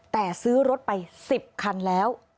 แต่ซื้อรถไป๑๐คันแล้ว